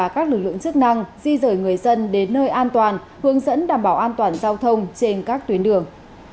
các lực lượng chức năng di rời người dân đến nơi an toàn hướng dẫn đảm bảo an toàn giao thông trên các tuyến đường